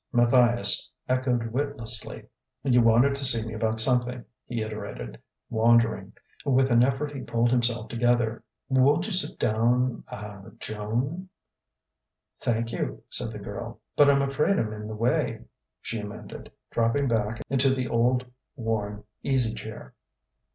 Matthias echoed witlessly. "You wanted to see me about something," he iterated, wandering. With an effort he pulled himself together. "Won't you sit down ah Joan?" "Thank you," said the girl. "But I'm afraid I'm in the way," she amended, dropping back into the old, worn, easy chair.